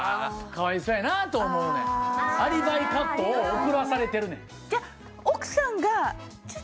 かわいそうやなと思うねんアリバイカットを送らされてるねんって言ったらどうします？